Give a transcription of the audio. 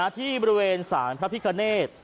ที่บริเวณสารพระพิกเนธ